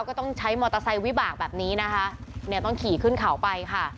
ก็ต้องใช้มอเตอร์ไซค์วิบากแบบนี้นะคะเนี่ยต้องขี่ขึ้นเขาไปค่ะ